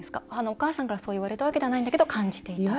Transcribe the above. お母さんからそう言われてはないんだけど感じていた？